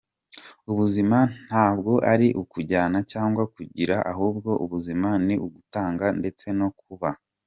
Ubuzima ntabwo ari ukujyana cyangwa kugira, ahubwo ubuzima ni ugutanga ndetse no kuba.